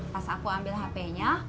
pas aku ambil hp nya